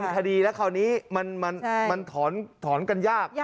คดีแล้วคราวนี้มันถอนกันยาก